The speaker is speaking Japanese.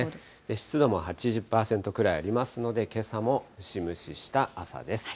湿度も８０％くらいありますので、けさもムシムシした朝です。